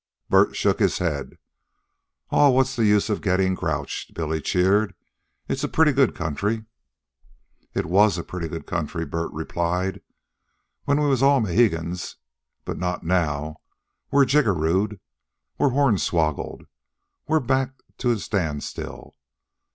Bert shook his head. "Aw, what's the use of gettin' grouched?" Billy cheered. "It's a pretty good country." "It WAS a pretty good country," Bert replied, "when we was all Mohegans. But not now. We're jiggerooed. We're hornswoggled. We're backed to a standstill.